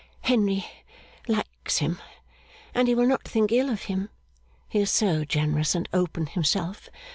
'Henry likes him, and he will not think ill of him; he is so generous and open himself.